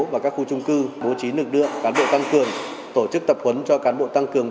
và các khu trung cư bố trí lực lượng cán bộ tăng cường tổ chức tập huấn cho cán bộ tăng cường